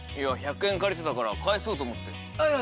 １００円借りてたから返そうと思って。